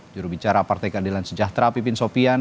jurubicara partai keadilan sejahtera pipin sopian